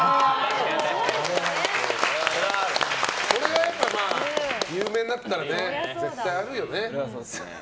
これはまあ、有名になったら絶対あるよね。